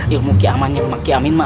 ilmu kiamannya sama kiamin mah